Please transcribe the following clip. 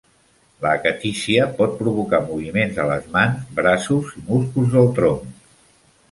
La acatísia pot provocar moviments a les mans, braços i músculs del tronc.